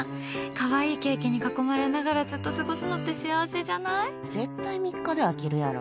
可愛いケーキに囲まれながらずっと過ごすのって絶対３日で飽きるやろ。